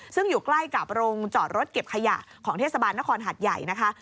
ซึ่งอยู่ใกล้กับโรงจอดรถเก็บขยะของเทศบาลนครหัดใหญ่นะคะ